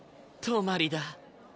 トマリだ。